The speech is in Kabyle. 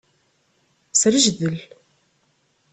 Srejdel.